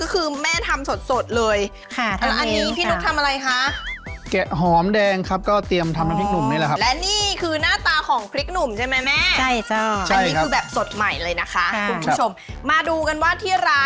พอเราทำงานได้สักระยะหนึ่งก็เอาแม่มาอยู่กรุงเทพฯด้วย